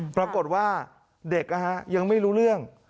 ปรากฏว่าเด็กยังไม่รู้เรื่อง